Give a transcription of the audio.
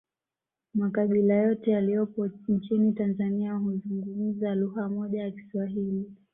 Makabila yote yaliyopo nchini Tanzania huzungumza lugha moja ya kiswahili